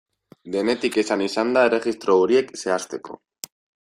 Denetik esan izan da erregistro horiek zehazteko.